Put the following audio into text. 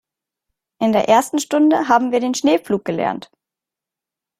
In der ersten Stunde haben wir den Schneepflug gelernt.